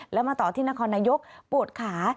แล้วมาต่อที่นครนายกปวดขา